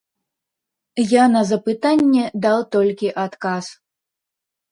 Я на запытанне даў толькі адказ.